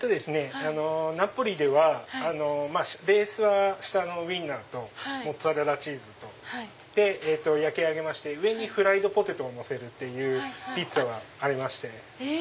ナポリではベースは下のウインナーとモッツァレラチーズで焼き上げ上にフライドポテトをのせるピッツァはありまして。